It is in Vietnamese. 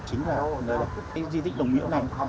chính là nơi đó cái di tích đồng miễu này